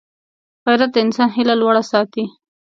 غیرت د انسان هیله لوړه ساتي